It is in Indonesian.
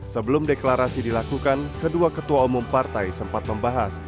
sebelum deklarasi dilakukan kedua ketua umum partai sempat membahas